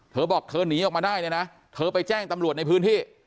เธอบอกเธอหนีออกมาได้เนี่ยนะเธอไปแจ้งตำรวจในพื้นที่